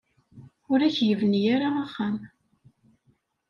Ur ak-yebni ara axxam.